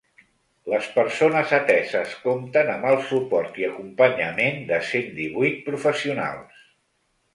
Les persones ateses compten amb el suport i acompanyament de cent divuit professionals.